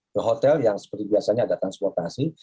ke hotel yang seperti biasanya ada transportasi